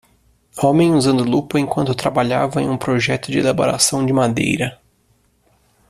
Homem usando lupa enquanto trabalhava em um projeto de elaboração de madeira.